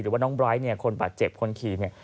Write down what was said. หรือน้องบร้ายคนเจ็บคนคีย์เห็นอีก